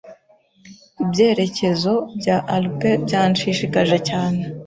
Ibyerekezo bya Alpes byanshishikaje cyane.